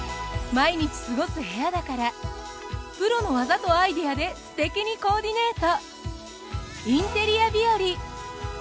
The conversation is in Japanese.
毎日過ごす部屋だからプロの技とアイデアですてきにコーディネート。